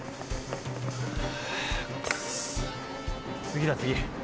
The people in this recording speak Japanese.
次だ次。